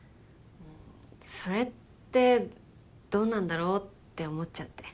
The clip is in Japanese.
それってどうなんだろうって思っちゃって。